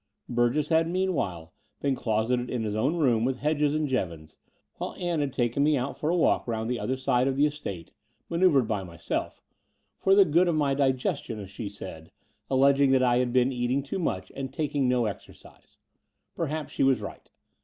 Burgess had meanwhile been closeted in his own room with Hedges and Jevons, while Ann had taken me out for a walk round the other side of the The Dower House 277 estate — manceuvred by myself — ^for the good of my digestion, as she said, alleging that I had been eating too much and taking no exercise. Perhaps she was right.